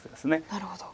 なるほど。